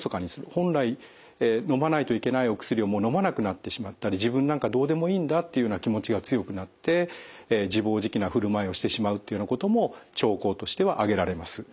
本来のまないといけないお薬をもうのまなくなってしまったり自分なんかどうでもいいんだというような気持ちが強くなって自暴自棄なふるまいをしてしまうというようなことも兆候としては挙げられます。